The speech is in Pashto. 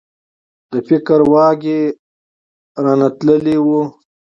د فکر واګي رانه تللي وو.